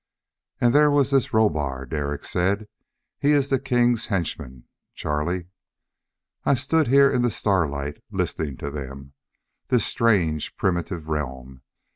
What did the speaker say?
And there was this Rohbar. Derek said, "He is the king's henchman, Charlie." I stood here in the starlight, listening to them. This strange primitive realm.